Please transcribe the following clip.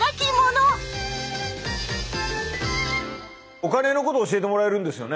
お金のことを教えてもらえるんですよね？